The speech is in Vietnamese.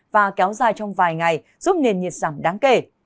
và kéo dài trong vài ngày giúp nền nhiệt giảm đáng kể